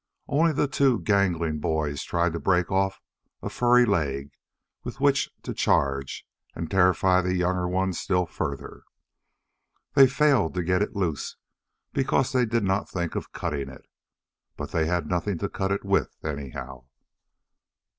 Only the two gangling boys tried to break off a furry leg with which to charge and terrify the younger ones still further. They failed to get it loose because they did not think of cutting it. But they had nothing to cut it with anyhow.